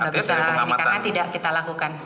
bisa ini karena tidak kita lakukan